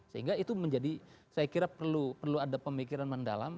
sehingga itu menjadi saya kira perlu ada pemikiran mendalam